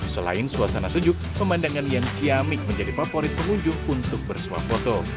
selain suasana sejuk pemandangan yang ciamik menjadi favorit pengunjung untuk bersuah foto